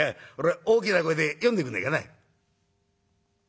大きな声で読んでくんねえかな」。